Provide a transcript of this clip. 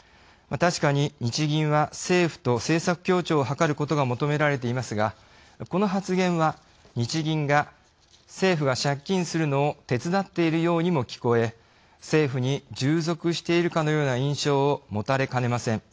確かに日銀は政府と政策協調を図ることが求められていますがこの発言は日銀が政府が借金するのを手伝っているようにも聞こえ政府に従属しているかのような印象を持たれかねません。